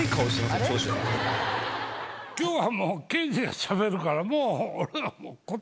今日はもう敬司がしゃべるからもう俺は。